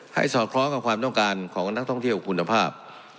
สอดคล้องกับความต้องการของนักท่องเที่ยวคุณภาพ